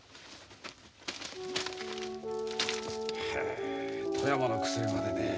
へえ富山の薬までねえ。